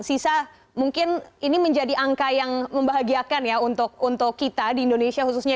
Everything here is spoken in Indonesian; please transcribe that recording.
sisa mungkin ini menjadi angka yang membahagiakan ya untuk kita di indonesia khususnya